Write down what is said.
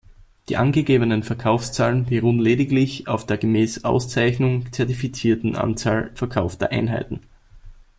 Die angegebenen Verkaufszahlen beruhen lediglich auf der gemäß Auszeichnung zertifizierten Anzahl verkaufter Einheiten.